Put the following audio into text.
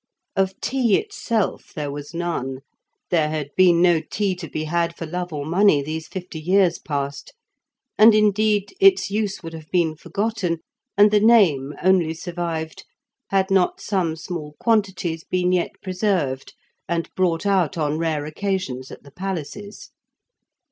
Of tea itself there was none; there had been no tea to be had for love or money these fifty years past, and, indeed, its use would have been forgotten, and the name only survived, had not some small quantities been yet preserved and brought out on rare occasions at the palaces.